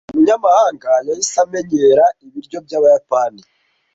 Umunyamahanga yahise amenyera ibiryo byabayapani.